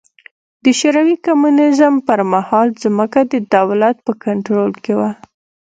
د شوروي کمونېزم پر مهال ځمکه د دولت په کنټرول کې وه.